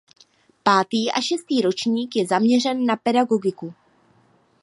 Pátý a šestý ročník je zaměřen na pedagogiku.